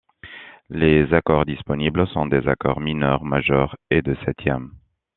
Les accords disponibles sont des accords mineurs, majeurs et de septième.